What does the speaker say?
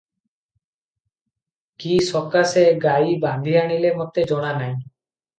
କି ସକାଶେ ଗାଈ ବାନ୍ଧିଆଣିଲେ ମୋତେ ଜଣାନାହିଁ ।